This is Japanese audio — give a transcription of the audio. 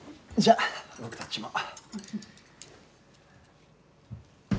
じゃあ僕たちも。